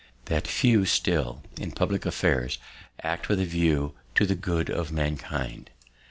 "That fewer still, in public affairs, act with a view to the good of mankind.